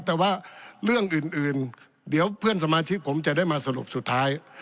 แต่ว่าเรื่องอื่นเดี๋ยวเพื่อนสมาชิกผมจะได้มาสรุปสุดท้าย